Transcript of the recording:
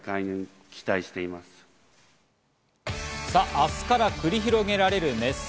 明日から繰り広げられる熱戦。